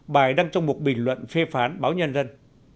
bài đăng trong một bình luận phê phán báo nhân dân